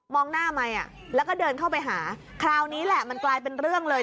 หน้าไมค์อ่ะแล้วก็เดินเข้าไปหาคราวนี้แหละมันกลายเป็นเรื่องเลย